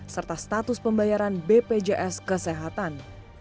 serta status pembayaran bpjs kesehatan